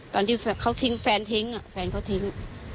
ตอนที่เขาทิ้งแฟนทิ้งแฟนเขาทิ้ง